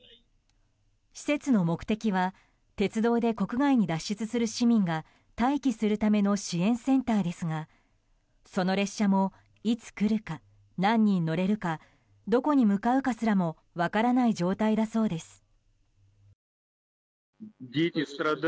施設の目的は鉄道で国外に脱出する市民が待機するための支援センターですがその列車もいつ来るか、何人乗れるかどこに向かうかすらも分からない状態だそうです。